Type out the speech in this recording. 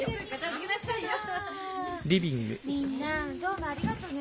みんなどうもありがとね。